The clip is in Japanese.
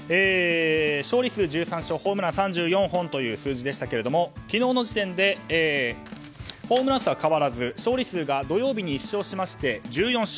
勝利数１３勝ホームラン３４本の数字ですが昨日の時点でホームラン数は変わらず勝利数が土曜日に１勝して１４勝。